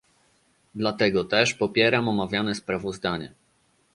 Dlatego też popieram omawiane sprawozdanie